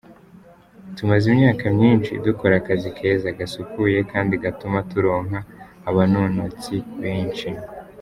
"Tumaze imyaka myinshi dukora akazi keza, gasukuye kandi gatuma turonka abanonotsi benshi.